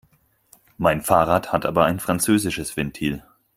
Mein Fahrrad hat aber ein französisches Ventil.